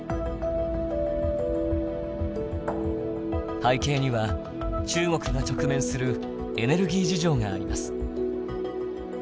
背景には中国が直面するエネルギー事情があります。